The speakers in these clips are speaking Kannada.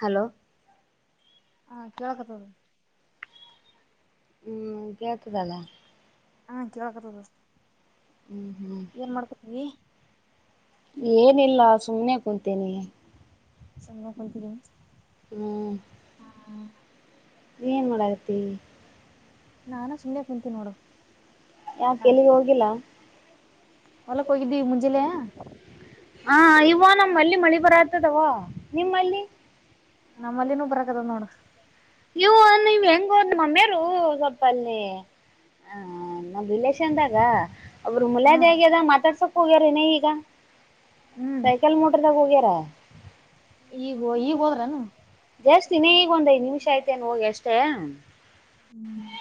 ಹಲೋ ಹಾ ಕೆಳಕತದ. ಹ್ಮ್ ಕೇಳತದಲ್ಲ. ಹಾ ಕೇಳಕತದ ಹ್ಮ್ ಹ್ಮ್ ಏನ್ ಮಾಡಕತಿದಿ. ಏನಿಲ್ಲ ಸುಮ್ಮ್ನೆ ಕುಂತೀನಿ. ಸುಮ್ನೆ ಕುಂತಿದಿ. ಹ್ಮ್ ನೀ ಏನ್ ಮಾಡಗತಿ. ನಾನು ಸುಮ್ನೆ ಕುಂತೀನಿ ನೋಡು. ಯಾಕ್ ಎಲಿಗ್ ಹೋಗಿಲ್ಲ. ಹೊಲ ಕೊಗಿದ್ದಿ ಮುಂಜೂಲೆ. ಹಾ [unintelligible] ಮಲ್ಲಿ ಮಳಿ ಬರ ಆತದವೊ. [inaudible] ನಮ್ಮಲ್ಲಿನೂ ಬರಕದ ನೋಡ. ಇವು ನೀವ್ ಹೆಂಗಮ್ಮ ಮೇರು ಸ್ವಪಲ್ಲಿ ಹ. ನಮ ರಿಲೇಶನ್ದಾಗ ಅವ್ರರು ಹ ಮುಲಯಾದ ಆಗ್ಯದ ಮಾತಾಡ್ಸಕ್ ಹೋಗ್ಯ್ರನ ಈಗ. ಹ್ಮ್ ಸೈಕೆಲ್ ಮೊಟರದ್ಯಾಗ್ ಹೋಗ್ಯಾರ್. ಈಗ ಈಗ್ ಹೋದ್ರನು. ಜಾಸ್ತಿನೇ ಈಗ ಒಂದ್ ಐದ್ ನಿಮಿಷ ಅಯ್ತೇನ್ ಹೋಗಿ ಅಷ್ಟೇ. ಹ್ಮ್. [inaudible]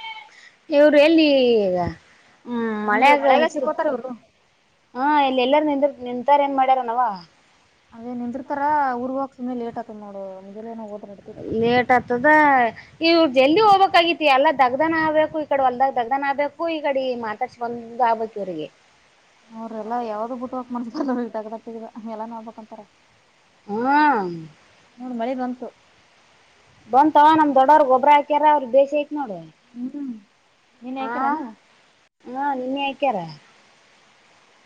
ಇವರು ಎಲ್ಲಿ ಈಗ. ಹ್ಮ್ ಅಂದ್ರೀ ಮಳೆಗ್ ಮಳೆಯಾಗ ಸಿಕ್ಕೋತಾರ ಇವರು. ಹಾ ಇಲ್ಲ ಎಲ್ಲಾರು ನಿಂತ ನಿಂತಾರ ಏನ್ ಮಾಡ್ಯಾರನವ. ಅದೇ ನಿಂದಿರ್ತಾರ ಊರ್ ಹೋಗ್ ಇನ್ ಲೇಟ್ ಆಯತತ್ ನೋಡು ಮು [unintelligible] ಏನೋ. ಲೇಟ್ ಆತದ ಇವ ಜಲ್ಲಿ ಹೋಗ್ಬೇಕಕ್ ಆಗತಿ ಎಲ್ಲಾ ದಗ್ದನ ಆಗ್ಬೇಕು ಈ ಕಡೆ ಹೊಲ್ದಾಗ ದಗ್ದ ದನ್ ಆಗ್ಬೇಕು ಈಗಡೆ ಮಾತಾಡ್ಸ್ ಒೊಂದು ಆಗ್ಬೇಕು ಇ್ರಗೆ. ಅವ್ರೆಲ್ಲಾ ಯಾವ್ದೋ ಬಿಟ್ಟು ಹಕ್ ಮನ್ಸ ಟಗದಟಗ ಆ ಎಲ್ಲ ನೋಡ್ಬಬೇಕಕ್ಂತಾರ. ಹ್ಮ. ಮಳಿ ಬಂತು. ಬಂತವ ನಮ್ ದೊಡ್ಡವ್ರ ಗೊಬ್ಬ್ರ ಹಾಕ್ಯಾರ ಅವ್ರ ಬೇಶಿ ಐತ್ ನೋಡ. ಹ್ಮ್ ನೀನ್ ಹಾಕರಾನ. ಹಾ ನೆನ್ನೆ ಅಕ್ಯರಾ.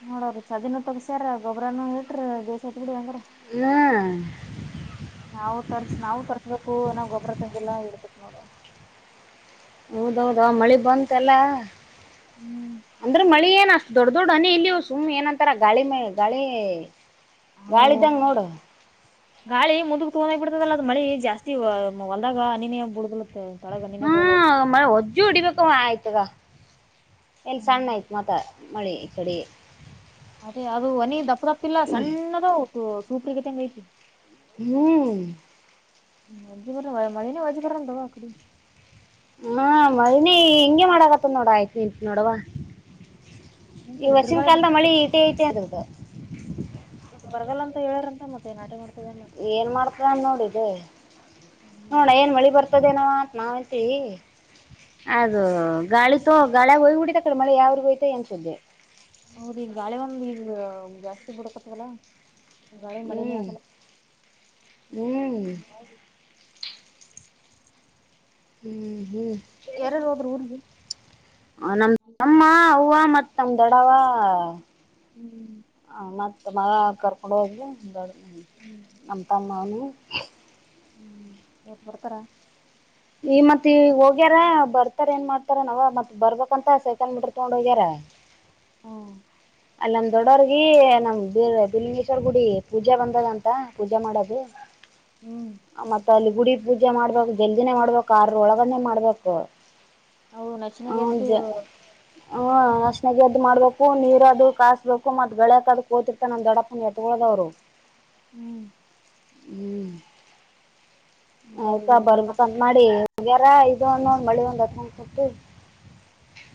ನೋಡೋ್ರ ಚದಿನ ತಗಸ್ಯಾರ ಗೊಬರನ ಇಟ್ರ ಬೇಷ ಹತ್ ಬಿಡಿ ಹೆಂಗಾರ. ಹ್ಮ. ನಾವು ತರ್ಸ ನಾವು ತರ್ಸ್ಬೇಕು ನಾವ್ ಗೊಬ್ಬರ ತಂದಿಲ್ಲ ಇಡ್ಬೇಕ್ ನೋಡು. ಹೌದೌದ ಆ ಮಳಿ ಬಂತೆಲ್ಲ. ಹ್ಮ್ ಅಂದ್ರೆ ಮಳಿ ಏನ ಅಷ್ಟು ದೊಡ್ಡ ದೊಡ್ಡ ಅನಿ ಇಲ್ಲಿಯವು ಸುಮ್ ಏನಂತಾರ ಗಾಳಿ ಮ ಗಾಳಿ. ಅದು ಗಾಳಿದಂಗ ನೋಡು. ಗಾಳಿ ಮುಂದಗ್ ತೊಗೋಗ್ ಬಿಡ್ತದಲ್ಲ ಅದ್ ಮಳಿ ಜಾಸ್ತಿ ಹೊಲ್ದಾಗ ಅ ನೀನ ಬುಳಗಲ. ಹ್ಮ ಮಳೆ ಹೊಜ್ಜು ಹೊಡಿಬೇಕ ಆಯ್ತದ. ಎಲ್ಲಿ ಸಣ್ಣ ಆಯ್ತು ಮತ್ತ ಮಳಿ ಈ ಕಡೆ. ಅದೇ ಅದು ಒನಿ ದಪ್ಪ ದಪ್ಪಿಲ್ಲ ಸಣ್ಣದ ಸೂಪ್ರಗತೆಂಗ ಐತಿ. ಹ್ಮ್. ಹ್ಮ್ಮ್ [unintelligible] ಮಳಿನೆ ಹೋಜಬರೋಣ ತಗೋ. ಹಾ ಮನಿ ಹಿಂಂಗಗೆ ಮಾಡಕತ್ತ ನೋಡ ಆಯ್ತು ನಿಂತ ನೋಡವ್ವ. ಈ ನಿಂತದ ವರ್ಸಿನ ಬಿರುಗಾಳಿ ಕಾಲದ ಮಳಿ ಈಟೇ ಐತೆ ಅದದು. ಮತ್ತ ಬರಗಾಲ ಅಂತ ಹೇಳಾರಂತ ಮತ್ತೆ ನಾಟಿ ಮಾಡ್ತಾರೆ. ಏನ್ ಮಾಡ್ತಾರ ಅನ್ ನೋಡಿದ್ದ. ಹ್ಮ್ ನೋಡ ಏನ್ ಮಳಿ ಬರ್ತದೇನವ ಅಂತ ನಾವ ಎಂತವಿ. ಅದ ಗಾಳಿತೋ ಗಾಳಿಯ ಹೋಗಿಬಡಿತ ಕಡೆ ಮಳೆ ಯಾವ್ರಗ ಹೋಯ್ತ ಎನ್ಸುದ್ದೆ. ಹೌದು ಈ ಗಾಳಿ ಒಂದು ಈಗ ಜಾಸ್ತಿ ಬಡಕತವಲ್ಲ. ಗಾಳಿಗೆ ಮಳೆನೇ ಹ್ಮ್ ಆಗಲ್ಲ. ಹ್ಮ್ ಹ್ಮ್ ಹ್ಮ್. ಯಾರ್ಯಾರ್ ಹೋದ್ರ ಊರ್ಗೆ. ನನ್ ತಮ್ಮ. ಹೂವ ಮತ್ ನಮ್ಮ ದೊಡ್ಡವ್ವ ಹ್ಮ್ ಮತ್ತ ಮಗ ಕರ್ ಹಡೋಗಿದ ಹ್ಮ್ [inaudible] ನಮ್ಮತಮ್ಮ ಅವ್ನು. ಹ್ಮ್ ಈವತ್ ಬರ್ತಾರ. ಈ ಮತ್ ಈ ಹೋಗ್ಯಾರ ಬರ್ತಾರ ಏನ್ ಮಾಡ್ತಾರ ನಾವ ಮತ್ ಬರ್ಬಂತ ಸೈಕೊಂಡ ಬಿಟ್ರ ತೊಂಡ್ ಹೋಗ್ಯಾರ. ಹೌ. ಅಲ್ಲಿ ನಮ್ ದೊಡ್ಡವರ್ಗ ನಮ್ ಬ ಬಿಲಿಂಗೇಶ್ವರ್ ಗುಡಿ ಪೂಜೆ ಬಂದದಂತ ಪೂಜಾ ಮಾಡದು. ಹ್ಮ್ ಮತ್ತ ಅಲ್ಲಿ ಗುಡಿ ಪೂಜೆ ಮಾಡ್ಬೇಕ ಜಲ್ದಿನೆ. ಮಾಡ್ಬೇಕು ಆರ್ರೊಳಗನ್ನೇ ಮಾಡ್ಬೇಕು ಅವು ನಶಿನಾಗ ಎದ್ದು ಹಜ ಹ ಅಶನಗೆ ಎದ್ದು ಮಾಡ್ಬೇಕು ನೀರ ಕಸ್ಬೇಕು ಮತ್ ಬೆಳೆಯಕ ಅದಕ್ ಕೋತಿರ್ತ ನ ದಡಪನ ಎತ್ತಗೋದವ್ರು ಹ್ಮ್ ಹ್ಮ್ ಆಯ್ತಾ ಬರ್ಬೇಕಂತ ಮಾಡಿ್ಯಾರ ಇ ಒಂದ ಒಂದ ಮಳಿ ಒಂದ್ ಹತ್ನ್ಸತ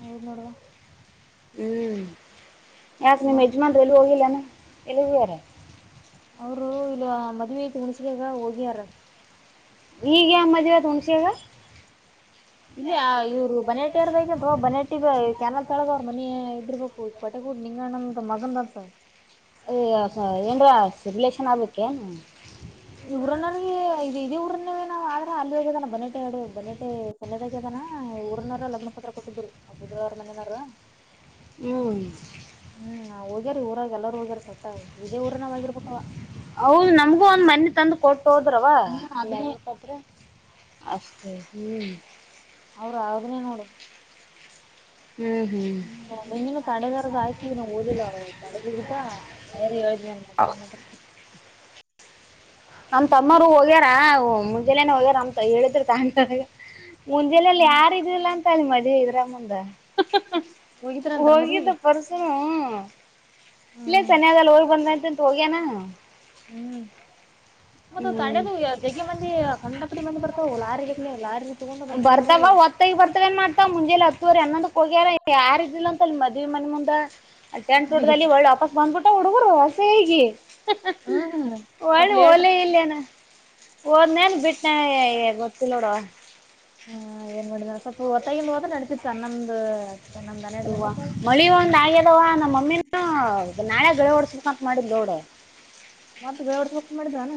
ಹ ಮಾಡಡುವ ಹ್ಮ್ ಯಕ ನೀ ಮೇಜರ್ಮ ಎಲ್ಲೋಗಲ್ಲನೆ ಎಲ್ಲಿ ಬಚಾರೆ ಮದ್ೆ ಐತಿ ಮುುಣಸಗಾಗ ಹೋಗ್ಯಾರ ಈಗ ಯಾ ಮದುವೆ ಆಯ್ತು ಹುಣ್ಸೆಗ ಇಲ್ಲ ಇವರು ಬನೇಟಿಾರದಂತವಾ ಬನೇಟಿ ಬ ಕ್ಯಾನಲ್ ಕೆಳಗ ಅವ್ರ ಮನ ಇದರ್ಬೇಕು ಕೊಟೆಗೂಡ್ ನಿಂಗಣ್ಣ ಮಗನ್ ಅರ್ತ ಅದ ಏನ್ರ ರಿಲೇಷನ್ ಆಗಬೇಕ ಏನ ಈ ಊರ ನನಗೆ ಇ ಇದೇ ಊರನ್ನವೇ ನಾವವು ಆದ್ರೆ ಅಲ್ಲಿ ಹಾಗಗೆದ ಬನಟೆ ಆಡ ಬನೇಟೆ ಸನ್ಯದಾಗದಾನ ಹ ಊರನವಾರ ಲಗ್ನ ಪತ್ರ ಕೊಟ್ಟಿದ್ರು ಬುಧ್ವಾರ ಮನವಾರ ಹ್ಮ್ ಹ್ಮ್ ನಾ ಹೋಗ್ಯಾರ ಊರಾಗ ಎಲ್ಲರೂ ಹೋಗ್ಯಾರ ಸ್ವಲ್ ಇದೇ ಊರ ನಾವ್ ಆಗಿರ್ಬವ ಹದ ನಮ್ಗೂ ಒಂದ್ ಮನೆಿ ತಂದು ಕೊಟ್ಟು ಹೋದ್ರವ ಹ್ಮ್ ಅದನ್ನೇ ಅಾದ್ರೆ ಅಷ್ಟ ಸ ಹ್ಮ್ ಅವರು ಯಾವದನೇ ನೋಡು ಹ್ಞೂ ಹ್ಞೂ ನಿಂಗನು ತಡೆಗಾರದ ಆಯ್ತ ನಾ ಓದಿಲ್ಲ ಅವರು ತಡೆಗಿದ್ದ ಹೇಳ ಮ ಮ [unintelligible] ನಮ್ ತಮ್ಮರು ಹೋಗ್ಯಾರ ಮುಂಜೆಾನೆನೆ ಹೋಗ್ಯಾರ ಅಮಂತ ಹೇಳಿದ್ರರು ತ ಮುಂಜೆಲೆಯಲ್ಲಿ ಯಾರ ಇದಿಲ್ಲ ಅಂತಳಿ ಮದ್ೆ ಇದ್ರ ಮುಂದ ಹೋಗಿದ್ರಂತಾರ ಹೋಗಿದ್ದ ಮದ್ವಿಗೆ ಪರ್ಸನು ಇಲ್ಲೇ ಹ್ಮ್ ಸನ್ಯಾದಲ್ಲಿ ಹೋಗ ಬಂದಂತಂತ ಹೋಗ್ಯನಾ ಹ್ಮ್ ಮತ್ತ ತಣೆದು ಜಗ್ಗೆ ಮಂದಿ ಕಂಡಪಡಿ ಮಂದಿ ಬರ್ತಾವ ಲಾರಿಿಗೆಗ್ಲಿ ಲಾರಿಲಿ ತಗೊಂಡ್ ಬರ್ತಾರ ಅವರು ಬರ್ತವೇನ್ ಮಾಡ್ತಾ ಮುಂಜೆ ಹತ್ತು ಹೋಗ್ಯಾರ ಯಾರ ಇದಿಲ್ಲ ಅಂತ ಅಲ್ಲಿ ಮದ್ವಿ ಮನೆ ಮುಂದ ಅಟ್ಟೆ ಚೋಲ್ಲಿ ಒಳ್ಳೆ ವಾಪಸ್ ಬಂದ್ಬಿಟ್ಟ ಹುಡುಗರು ಪೆಗಿ ಹ್ಮ್ ಸ್ವಲ್ಪ ಹೊಳಿ ಹೋಗೆ ಲೇಟ್ ಎಲ್ಲಾ ಇಲ್ಲೇನ ಹಓದ್ನೇನ್ ಬಿಟ್ಟನೆ ಗೊತ್ತಿಲ್ಲ ನೋಡುವ ಹಾ ಏನ್ ಮಾಡಿದನ ಸ್ವಲ್ಪ ಹೊತ್ತಗಂದು ಹತ ನಡೆಸಿತ್ತ ನಮ್ದ್ ಹವಾ ಮಳಿ ಒಂದ ಆಗ್ಯದವಾ ನಮ್ಮ ಮಮ್ಮಿಿನ ನಾಳೆ ಓಡ್ಸ ಕಕ್ ಮಾಡಿದ್ದಿಲ್ಲ ನೋಡಡೆ ಮತ್ತವಡ ಹೋಗ ಮಾಡ್ದಾನ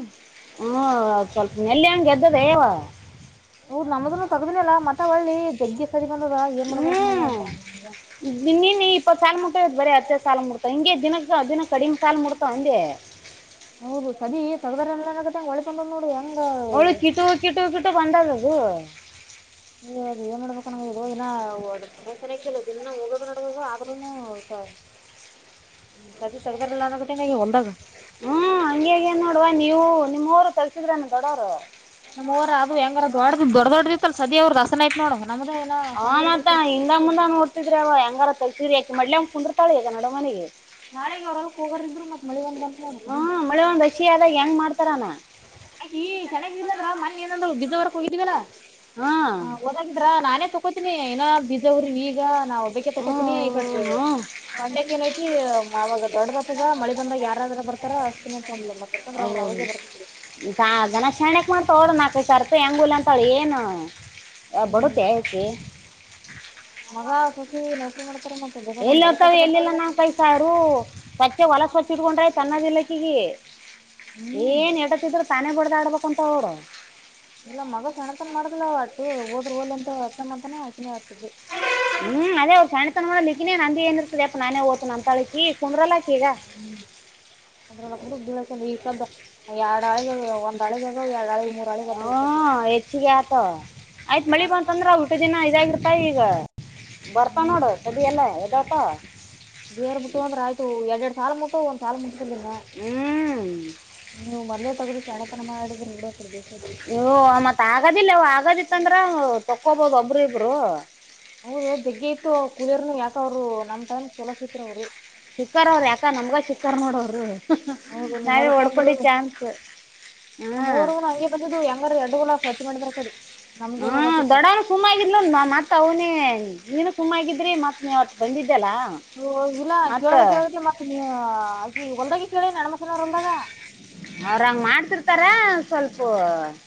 ಹ್ಮ ಅ ಸ್ವಲ್ಪ ನೆಲ್ಲಿ ಹಂಗೆ ಎದ್ದದವ ಹೌದ ನಮ್ದನು ತಗ್ದನಲ್ಲಾ ಮತ್ತ ಒಳ್ಳಿ ಜಗ್ಗಿ ಸದಿ ಬಂದದ ಏನ್ ಮಾಡ್ಬೇಕಾರ ಮ ನೀನು ಇಪ್ಪತ್ತು ಸಾಲು ಮುಟ್ಟ್ ಬರೀ ಹತ್ತೇ ಸಾಲು ಮುಡ್ತ ಹಿಂಗೆ ದಿನಕ್ಕೆ ದಿನಕ್ಕೆ ಕಡಿಮೆ ಸಾಾಲಲು ಮುಡ್ತಾವ ಅಂದೆ [inaudible] ಹೌದು ಸದೀ ತಗದಾರ ಎಲ್ಲನಗತ್ತಂಗಗೆ ಹೊಳ್ಕೊಂಡ್ ನೋಡಿ ಹೆಂಗ ಹೋಳು ಕಿಟು ಕಿಟು ಕಿಟು ಬಂದದದು ಹ ಅದ ಏನ್ ಮಾಡ್ಬೇಕಣ ಹ ಹದಿನ ಒ ಮನೆ ಸನಕ್ಕೆಲ್ಲ ಇನ್ನು ಹೋಗೋದ ನಡದು ಆದ್ರನು ಸದೀ ತೆಗದಲ್ಲಾನ ಹೋಲದಾಗ್ ಹ್ಮ್ ಹಗೆ ಆಗ್ಯದ ನೋಡುವ ನೀವು ನಿಮ್ಮ ರು ನಮ್ಮವರ ಅದು ಹೆಂಗಾರ ದೊಡ ದೊಡ್ಡ ದೊಡ್ಡ್ರತ್ತ ಸದಿ ಅವ್ರರು ರಸನ ಯತ್ ನೋಡವ ಹ ಮತ್ತ ಹಿಂದ ಮುಂದಂಗೋಡ್ತಿದ್ರ ಅವ ಹೆಂಗಾರ ತೀರಿಾಕಿ ಮ್ಲಿ ಅಂಗ್ ಕುೊಂಡಿರ್ಾಳ ಈಗ ನಡ ಮನಿಗೆ ನಾಳಗ ಅವ್ರಲ್ ಹೋಗೋರ್ ಇದ್ರು ಮತ್ತ ಮಳಿ ಒಂದ್ ಬರ್ ನೋ ಕಡ ತಾರಾನ ಅಯ್ ಈ ಚೆನ್ನಾಗ ಬದ್ರ ಮಣ ಏನಂದ್ರು ಬಜವರ್ಕ ಹೋಗಿದೀವಲ್ಲ ಹ್ಮ್ ಹ, ಓದಾಗಿದ್ರಾ ನಾನೇ ತಕೋತೀನಿ, ಏನ, ಬಿಟ್ಟು ಹೋದರೆ, ಈಗ ನಾ ಒಬ್ಬಕ್ಕೆ ತಕೋತೀನಿ ಈಗ. [unintelligible] ಹ್ಮ್ ಏ, ಹ್ಮ್ ಬಂಡ್ಯಕ್ಕನಕಿ, ಅವವಾಗ ದೊಡ್ಡದ ಹತದ ಮಳೆ ಬಂದಾಗ ಯಾರಾದ್ರ ಬರ್ತಾರ! ಅಷ್ಟು ದಿನ, ಸೊಂಡಿಲು. [inaudible] ಇವಾಗ ತರುಕೊಂಡರೆ, ಅವರ ಆಗ್ಲೇ ಬರ್ತಾ ಇದ್ರಿ. [inaudible] ಈತ, ಗಣೇಶ ತಾಕೊಲೊ, ನಾಲ್ಕುಐದುಸಾವಿರ, ಹೆಂಗುಲ್ಲೊ. [unintelligible] ಅಪ್ಪ ಏನು ಬರುತ್ತಾ ಅಕ್ಕಿ. [unintelligible] ನವ ಕಕ್ಕು ನಗು, ಮಾಡುತ್ತೀರಿ. [unintelligible] ಎಲ್ಲಿರ್ತವ, ಎಲ್ಲಿಲ್ಲ ನಂಗ ಕೈ ಸಾರು ತಟ್ಟೆ ಹೋಲೋಕೆ, ಹೊಚ್ಚಿಟ್ಕೊಂಡಾಯ್ ತನ್ನದಿಲ್ಲಕ್ಕಗ, ಇಕಿಗಿ. [unintelligible] ಹ್ಮ್ ಏನ್, ಹೇಡಿಕಿದರು, ತಾನೇ, ಬಡತಕ್ಕಂಥವರು. [unintelligible] ಇಲ್ಲ, ಮಗ ಸಣತನ, ಮಾಡಿದ್ಲು ಅವತ್ತು, ಹೋದ್ರ! ಹೋಲ್ ಎಂತ ಅತ ಅಂತಾನ ಆಚನೆೆ ಆಗ್ತದೆ. [unintelligible] [unintelligible] [inaudible] ಹ್ಮ್, ಅದೇ ಸಣ್ಣ ತನ ಮಾಡಲಿಕ್ಕಿನೇ ನಂದು, ಏ ಇರ್ತದೆ! ಅಪ್ಪ ನೇ ಓ್ತನ ಅಂತಳಕಿ, ಕುಂದೂರಲ್ಲಿಕೀ, ಈಗ. [unintelligible] [unintelligible] [inaudible] ಅದರೊಳಗೆ ಬಿಡು, ಬಿದ್ದೋಗ್ತದೆ, ಇಷ್ಟು, ಅಂತ, ಎರಡಾಳು ಆಗೋದು, ಒಂದಾಳು, ಹಾಗೊಂದು ಎರಡಾಳು. [inaudible] ಹ, ಹೆಚ್ಚಿಗೆ, ಆತ ಆಯ್ತ್ ಮಳಿ ಬಂತಂದ್ರ ಉಲ್ಟ ದಿನ ಇದಾಗಿರ್ತಾ ಈಗ. [unintelligible] ಬರ್ತಾವು, ಹ್ಮ್ ನೋಡು ಸದಿಯಲ್ಲ ಇದಪ್ಪ? [unintelligible] ಬೇರ್, ಬಿಟ್ಟು ಅಂದ್ರ ಆಯ್ತು! ಎರಡ್ ಎರಡ್ ಸಾಲ ಮುಟ್ಟು ಒಂದ್ ಸಾಲು, ಮುಗಿತಿರ್ಲಿಲ್ವಾ. ಹ್ಞೂ [unintelligible] ನೀವು, ಮೊದಲೇ, ತಗೋಬೇಕು, ಕಳ್ಳತನ ಮಾಡಿದರೆ. [unintelligible] ಇ, ಮತ್, ತ್ ಆಗದಿಲ್ಲ ಆಗದಿತ್ತ, ಅಂದ್ರೆ! ತಕೊಬೋದು, ಒಬರು ಇಬ್ಬರು. [inaudible] ಹೌದ, ಜಗ್ಗೆ ಇತ್ತು ಕುಳಿಯರ್ನು, ಯಾಕ ಅವ್ರು ನಮ್ ಟೈಮ್ ಕೆಲ್ಶಾಸಿತು, ಅವ್ರು. [inaudible] ಸಿಕರಿಯವರು ಯಾಕ್ ನಮಗ ನೋಡವರು ಹೌದು ಇಲ್ಲಿ ನಾವೇ, ಹೊಲಕ್ ಬಂದ್ರು ಹೊಡ್ಕೊಂಡುವಿ, ಚಾನ್ಸ್. [unintelligible] ಹ್ಮ, ನಮ್ಮವರುನು ಹಂಗೆ ಬಂದಿದ್ದು ಹೆಂಗಾರ ಎಡ್ಡುಗುಲ ಸ್ವಚ್ಛ ಮಾಡಿದ್ರ ಕಡಿ ನಮ್ಗೆ ಹ್ಮ, ಹೋಗತಿತ್ತು ದೊಡ್ಡವನು, ಸುಮ್ನೆ. ಇರುಲ್ಲ. [unintelligible] ಮತ್ತತ್, ಅವನೇ ನೀನು, ಸುಮ್ಮಾಗಿದ್ರಿ ಮತ್ ನೀವತ್ತು, ಬಂದಿದ್ದಲ್ಲ? [unintelligible] ಇಲ್ಲ ಕೇಳದ ಕೇಳಿದ್ರಿ ಮತ್ತ ನೀನು, ಹೊಳದಾಗ ಕೇಳಿ! ಹೊಳದಾಗ, ಕೇಳಿ ನೀ ಹೆಣ್ಮಕ್ಳದಾಗ.. [unintelligible] ಅವ್ರಂಗ ಮಾಡ್ತಿರ್ತಾರಿ, ಸ್ವಲ್ಪ. [unintelligible]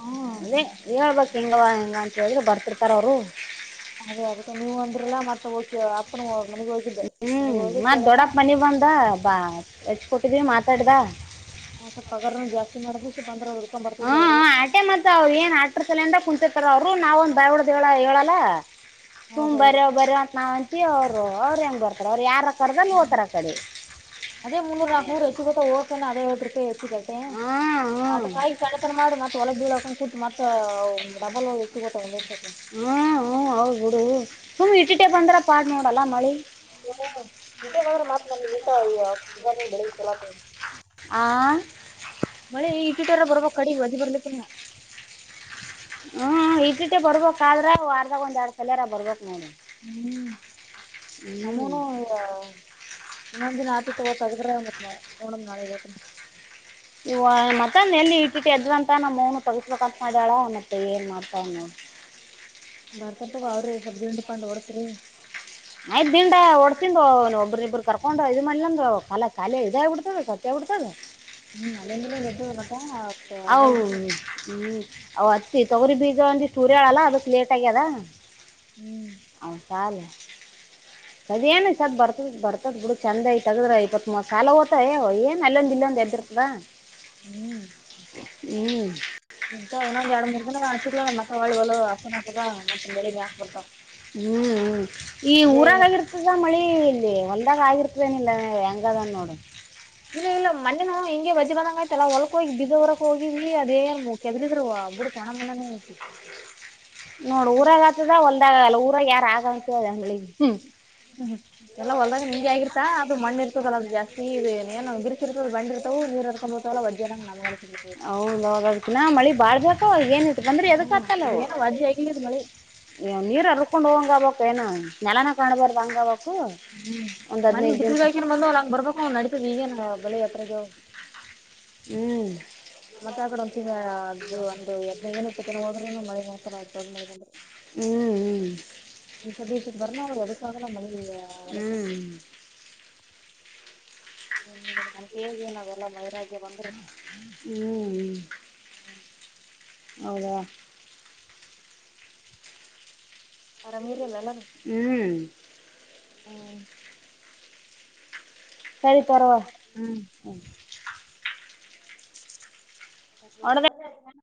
ಹ್ಮ್ ಅದೇ, ಹೇಳ್ಬೇಕು, ಹಾಂಗೆ, ಹಿಂಗೆ, ಅಂತ ಹೇಳಿದ್ರರು ಬರ್ತಿರ್ತಾರ ಅವರು. [unintelligible] ಅದೇ, ಅದುಕ್ಕೆ, ನೀವು ಅಂದ್ರೆಲ್ಲಾ! ಮತ್ತೆ ಹೋಗಿ, ಅಪ್ಪನು. [unintelligible] ಹ್ಮ್, ಮತ್, ದೊಡ್ಡಪ್ಪ, ಮನಿ ಬಂದ ಬಾ ಹಾಚುಕೊಟ್ಟು. [unintelligible] ಅತ್ತು, ಪವರ್, ಜಾಸ್ತಿ, ಮಾಡುಅನುತೈಥಿ. [unintelligible] ಹ್ಮ, ಆಟೆ, ಮತ್ತೆ, ಅವ್ರು ಏನ್! ಅಷ್ಟು, ಸೈಲೆಂಟಾಗಿ, ಕುಂತು. [unintelligible] ಅಂತರವರು, ಬಾಯಿ! ಬಿಟ್ಟು ಹೇಳಲ್ಲ? [unintelligible] ತುಂಬ್, ಹೌದೌದು ಬರಬಾರ, ಅಂತ! ಅನ್ನುತಾ, ಕರೀತೀವಿ, ಅವರಲ್ಲಿ ಬರ್ತಾರೆ, ಅವರು ಎಲ್ಲಿ ಬರುತ್ತಾರೆ, ಅವರ ಕಡೆ ಹೋಗ್ತಾರೆ! [unintelligible] ಅದೇ ಮುನೂರುನಕನೂರು, ಎಷ್ಟು ಸಿಗುತ್ತೋ, ಹೋಗ್ತಾನೆ, ಅದೇ, ಐವತ್ತು, ರೂಪಾಯಿ, ಅಯ್ತು. [unintelligible] ಸಿಗುತ್ತೆ, ಹ್ಞೂ ಹ್ಞೂ ಅದಕ್ಕಾಗಿ, ಕಳತನ, ಮಾಡು, ಮತ್ತತ್ ಒಲದ, ಬಳಕೊಂಡ್, ಕುಟ್ಟ ಮತ ಡಬಲ್. [unintelligible] ಸಿಗುತ್ತೆ, ಒಂದೂರುಪಾಯಿ. [unintelligible] ಹ್ಮ, ಹ್ಮ್ಮ್, ಹೌದು, ಬಿಡು, ಸುಮ ಇಟ್ಟಿಟ್ಟೆ ಬಂದ್ರ ಪಾಡ್ ನೋಡಲ್ಲ ಮಳಿ. [unintelligible] ಇತರ ನೋಡು ಮಾತ್ ಊಟ ಈ ಸುಗ ಬೆಳಗ್ಗೆ ತರಕ. [unintelligible] ಆ. [unintelligible] ಮಳೆ, ಈ, ಕಡೆ ಬರಬೇಕು, ಕಡಿಬರುಬೇಕಿಯೆನ್ನ. [unintelligible] ಹ್ಮ್, ಇಟ್ಟುಇಟ್ಬ, ಬರಬೇಕು, ಆದರೆ ವಾರದಲ್ಲಿ ಒಂದೆರಡು ಸಲ ಬರಬೇಕು ನೋಡು. [unintelligible] ನಮ್ಮನು ಇನ್ನೊಂದಿನ ಆತಿ ತಗೋ ತೆಗೆದ್ರೆ ಆಮೇಕ. [unintelligible] ಹಾ, ಇಧಿಯಕಮ್ಮಿ. [inaudible] ಇವ ಮತ್ತಂದ ಎಲ್ಲಿ? ಇಟ್ಟಿಟ್ಟ ಎದ್ಂತ ನಮ್ಮ್ನು ತೊಗಸ್ಬೇಕಂತ ಮಾಡ್ಯಾಳ ಮತ್ತೆ! ಏನ್ ಮಾಡ್ತಾವಲಾ, ನೋಡೂ. [unintelligible] ಬಾರ್ಕೋತೀವಿ ಆಡ್ರಿ ಸ್ವಲ್ಪ, ತಿಂಡು, ತಂದು ಹೊಡೆಸ್ರಿ. [unintelligible] ಆಯ್ ದಿಂಡಾ ವರ್ಸಿದ್ ಒಬ್ರಿಬ್ಬರು ಕರ್ಕೊಂಡು ಇದ್ ಮಂದು, ಕಖಾಲಿ ಇದ ಆಗ್ ಬಿಡ್ತದೇ ಕಟ್ಟೆ ಹಾಗಿಬಿಡುತ್ತೆ. [unintelligible] ಹೌದ. [unintelligible] ಹ್ಮ್, ಅಲ್ಲಂದೇ, ರೆಡಿ ನೋಟಾ. [unintelligible] ಹೌ, ಹ್ಮ್ ಅವ್ ಅತ್ತಿ ತವರಿಬೀಜ, ಒಂದು ಸೂರ್ಯಳಲ್ಲ, ಅದಕ್ಕೆ? [unintelligible] ಕೋಟ್ಯಾಗದ. [unintelligible] ಹ್ಮ್ ಅವನು, ತಾಲ್ಲೆ. [unintelligible] ಅದೇಏನ್, ಸತ್ ಬರ್ತದು, ಬರ್ತದೇ, ಬಿಡು ಚಂದೈಐ, ತೆಗೆದರೆ ಆಯ್ತುಏನ್ ಅಲ್ಲೊಂದು, ಇಲ್ಲೊಂದು, ಎ. [unintelligible] ಹಾ [inaudible] ಹ್ಮ ಇಂತ ಇನ್ನೊಂದ್ ಎರಡ್ ಮೂರ್ ದಿನ ಆಸಿದರ್ ಮತ್ತೆ ಒಳ್ಳಿ ಹೊಲ ಹಸನ ಆತದ ಮತ್ತತ್ ಬೆಳಗ್ಕ್ ಬರ್ತಾವ ಹ್ಮ್ ಹ್ಮ ಈ ಅದೇ ಊರಾಗಾಗಿರ್ತದ ಮಳಿ ಇಲ್ಲಿ ಒಂದಾಗ ಆಗಿರ್ತೇನಿಲ್ಲ ಹೆಂಗದನ್ ನೋಡು ಇಲ್ಲ ಇಲ್ಲ ಮನ್ನಿ ನಾವು ಹಿಂಗಗೆಜ್ಜ ಬಂದಂಗ ಆಯ್ತ್ ಎಲ್ಲಾ ಹೊ ಹೋಗಿ ಬಿದ್ದವರಕ್ ಹೋಗಿವಿ ಅದೇ ಕೆದ್ರಿದ್ರು ಒ ಬುಡು ಕಣ ಮಣಾನೇ ಹೋಗತಿ ನೋಡ ಊರಾಗ ಆತದ ಹೊಲ್ದಾಗಲ್ಲ ಊರಾಗ ಯಾರ ಆಗತದ ಅಂಗ್ಳಿಗೆ ಹ್ಮ್ ಎಲ್ಲ ಹೊಲ್ದಾಗ ನಿಮ್ಗೆ ಆಗಿತ ಅದುಣ್ಣ ಇರ್ತದಲ್ಲ ಅದು ಜಾಸ್ತಿ ಇ ಏನ ಬಿರ್ಕಿರ್ತದ ಬಂದಿರ್ತಾವ ನೀರಕ್ಕೋತೆ [unintelligible] ಹೌದ ಹದಕ್ಕೆನ ಮಳಿ ಬಾಳ್ಬೇಕ ಅವ ಏನತ್ತು ಬಂದ್ರೆ ಎದಕ್ ಹ್ಮ್ ಆತ್ತಲ್ಲವು ಇದೇನೋ ವಜ್ಜಿ ಆಗಿಲ್ಲ ಇದ್ ಮಳಿ ನೀರರುಕೊಂಡ್ ಹ್ಬಬೇಕಕ್ ಏನು ನೆಲನ ಕಾಣ್ಬಾರ್ದ ಹಂಗೊಬೇಕು ಹ್ಮ್ ಮನ್ ಬಿತ್ಗಾಯಕೇನ್ ಬಂದ ಹಂಗ್ ಬರ್ಬೇಕ ಅವ ನಡತದ್ ಈಗೇನ್ ಬಳೆ ಯಾತ್ರೆಗೆ ಹ್ಮ ಮತ್ತೆ ಆ ಕಡೆ ಒ ಒಂದು ಹದನೈದಿನ ಇಪ್ಪತ್ತು ದಿನ ಹೋದ್ರುನು ಮಳೆ ಬಂದ ಹ್ಮ್ ಹ್ಮ್ ಇಥ ದೇಶಕ್ಕೆ ಬರ ಅವ್ರ ಅ ಮನೆಗ ಹ್ಮ್ [unintelligible] ನನ್ಗ್ ಹೇಗೆ ನಾವೆಲ್ಲ ಮೈರಾಜ ಬಂದ್ರು ಹ್ಮ್ ಹ್ಮ್ ಹೌದ ಆರಾಮ ಇರಲ್ಲ ಅಲ್ಲ ಹ್ಮ್ ಹ್ಮ್ ಹೌ ಪರವಾಗಿ ಹ್ಮ್ ಹ [unintelligible] ಹೊಡದ [inaudible]